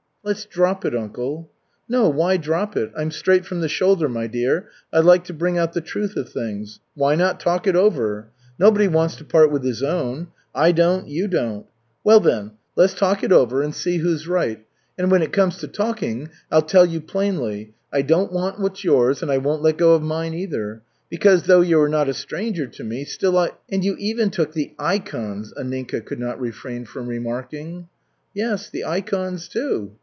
"Let's drop it, uncle." "No, why drop it? I'm straight from the shoulder, my dear, I like to bring out the truth of things. Why not talk it over? Nobody wants to part with his own. I don't, you don't. Well, then, let's talk it over and see who's right. And when it comes to talking, I'll tell you plainly: I don't want what's yours and I won't let go of mine, either. Because, though you are not a stranger to me, still I " "And you even took the ikons," Anninka could not refrain from remarking. "Yes, the ikons, too.